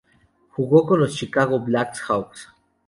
Jugó con los Chicago Black Hawks.